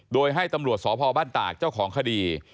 โดยให้ตำรวจสพบ้านตากเจ้าของคดี